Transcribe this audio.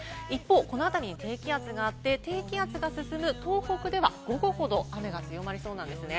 一方、この辺りに低気圧があって、低気圧が進む東北では午後ほど雨が強まりそうなんです。